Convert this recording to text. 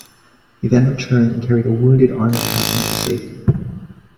He then returned and carried a wounded army captain to safety.